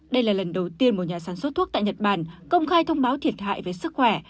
đây là lần đầu tiên một nhà sản xuất thuốc tại nhật bản công khai thông báo thiệt hại về sức khỏe